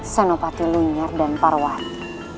senopati lunyar dan parwati